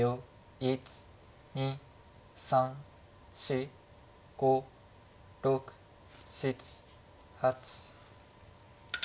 １２３４５６７８。